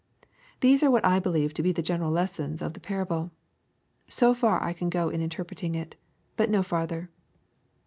These are what I believe to be the general lessons of the parable. So far I can go in interpreting iU but no further.